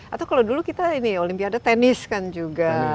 atau kalau dulu kita ini olimpiade tenis kan juga